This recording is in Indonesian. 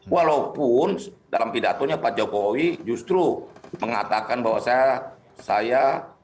walaupun dalam pidatonya pak jokowi justru mengatakan bahwa saya